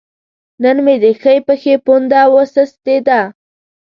نن مې د ښۍ پښې پونده وسستې ده